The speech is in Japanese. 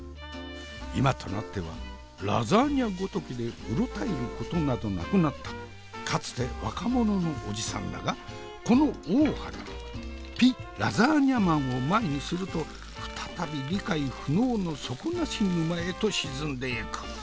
今となってはラザーニャごときでうろたえることなどなくなったかつて若者のおじさんだがこの大原のピ・ラザーニャ・マンを前にすると再び理解不能の底なし沼へと沈んでゆく。